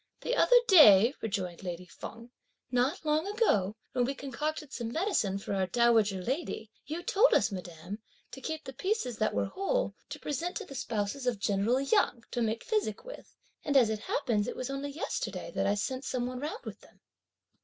"The other day," rejoined lady Feng, "not long ago, when we concocted some medicine for our dowager lady, you told us, madame, to keep the pieces that were whole, to present to the spouse of General Yang to make physic with, and as it happens it was only yesterday that I sent some one round with them."